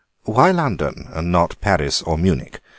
"Why London and not Paris or Munich?"